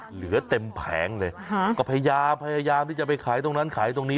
เหลือเต็มแผงเลยก็พยายามพยายามที่จะไปขายตรงนั้นขายตรงนี้